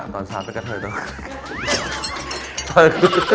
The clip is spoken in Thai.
ตอนเช้าเป็นกะเทินต่อไป